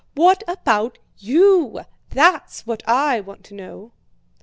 What about you? That's what I want to know."